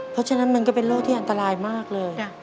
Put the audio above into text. เพราะฉะนั้นมันก็เป็นโรคที่อันตรายมากเลย